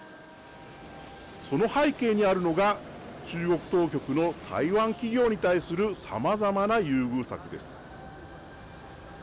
その背景にあるのが中国当局の台湾企業に対するさまざまな優遇策です。